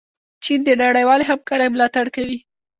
چین د نړیوالې همکارۍ ملاتړ کوي.